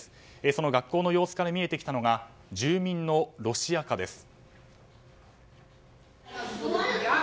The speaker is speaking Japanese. その学校の様子から見えてきたのが住民のロシア化です。